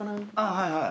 はいはい。